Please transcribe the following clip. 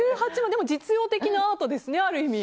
でも実用的なアートですねある意味。